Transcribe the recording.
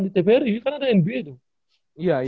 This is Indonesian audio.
di tvri kan ada nba tuh